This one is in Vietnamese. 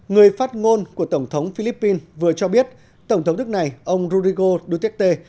người phát ngôn của tổng thống philippines vừa cho biết tổng thống nước này ông rurigo duterte